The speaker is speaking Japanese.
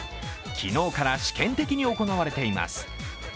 昨日から試験的に行われています。